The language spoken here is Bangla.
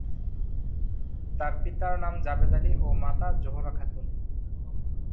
তার পিতার নাম জাবেদ আলী ও মাতা জোহরা খাতুন।